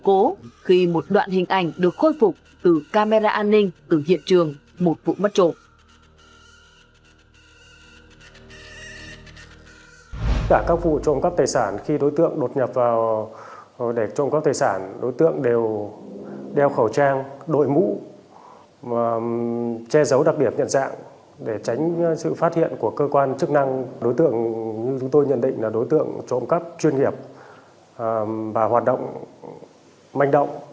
đối tượng như chúng tôi nhận định là đối tượng trộm cắp chuyên nghiệp và hoạt động manh động